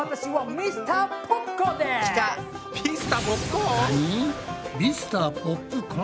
ミスターポップコーン？